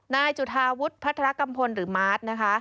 นายจุธาวุฒิพระธรกัมพลหรือมาร์ท